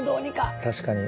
確かに。